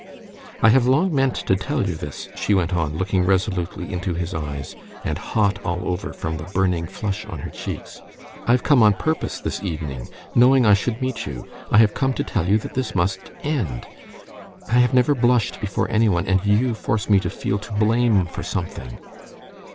"I have long meant to tell you this," she went on, looking resolutely into his eyes, and hot all over from the burning flush on her cheeks. "I've come on purpose this evening, knowing I should meet you. I have come to tell you that this must end. I have never blushed before anyone, and you force me to feel to blame for something."